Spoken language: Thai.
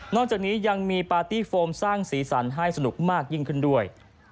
จากนี้ยังมีปาร์ตี้โฟมสร้างสีสันให้สนุกมากยิ่งขึ้นด้วย